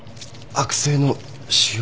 悪性の腫瘍？